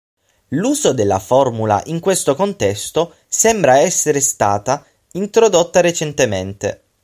L'uso della formula in questo contesto sembra essere stata introdotta recentemente.